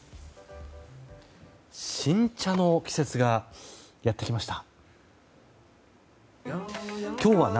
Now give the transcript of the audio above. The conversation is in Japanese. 新茶の季節がやってきました。